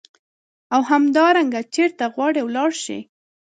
او همدارنګه چیرته غواړې ولاړ شې.